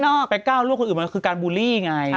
จริงถ้าเล่าด้วยคนอื่นดูหมันคือการบูลี้อย่างน้อย